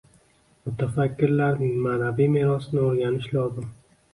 Mutafakkirlarning ma’naviy merosini o‘rganish lozim.